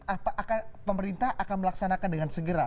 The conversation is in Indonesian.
apa pemerintah akan melaksanakan dengan segera